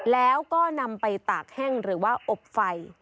แล้วก็นำไปตากแห้งหรือว่าอบไฟ